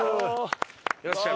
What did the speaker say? よっしゃ！